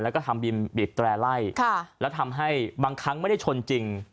แล้วก็ทำบินบีบแตร่ไล่แล้วทำให้บางครั้งไม่ได้ชนจริง